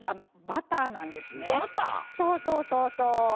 バター⁉そうそうそうそう。